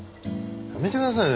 やめてください。